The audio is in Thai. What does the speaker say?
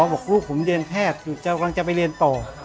บอกลูกผมเรียนแพทย์อยู่กำลังจะไปเรียนต่อ